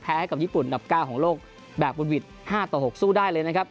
แพ้กับญี่ปุ่นหลับเก้าของโลกแบบบุรุษห้าต่อหกสู้ได้เลยนะครับ